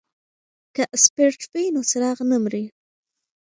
که سپیرټ وي نو څراغ نه مري.